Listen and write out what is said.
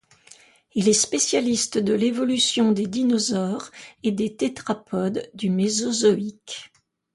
Il est spécialiste de l'évolution des dinosaures et des tétrapodes du Mésozoïque.